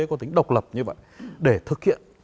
có tính độc lập như vậy để thực hiện